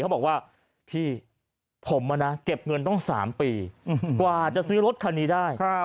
เขาบอกว่าพี่ผมเก็บเงินต้อง๓ปีกว่าจะซื้อรถคันนี้ได้